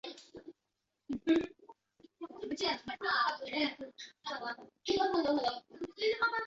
而教育部表示只要读好一本而学得一纲即可应考。